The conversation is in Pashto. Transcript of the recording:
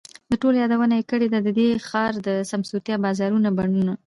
د ټولو یادونه یې کړې ده، د دې ښار د سمسورتیا، بازارونو، بڼونو،